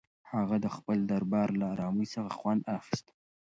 هغه د خپل دربار له ارامۍ څخه خوند اخیست.